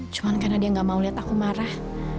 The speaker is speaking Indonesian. cuma karena dia gak mau lihat aku marah